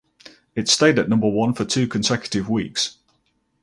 It stayed at number one for two consecutive weeks.